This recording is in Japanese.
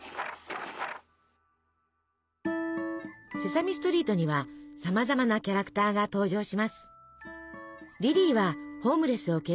「セサミストリート」にはさまざまなキャラクターが登場します。